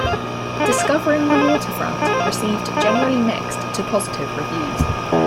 "Discovering the Waterfront" received generally mixed to positive reviews.